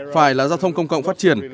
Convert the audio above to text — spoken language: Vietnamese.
phải là giao thông công cộng phát triển